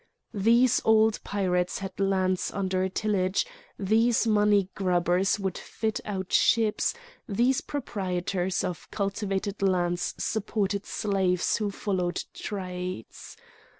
These old pirates had lands under tillage, these money grubbers would fit out ships, these proprietors of cultivated lands supported slaves who followed trades.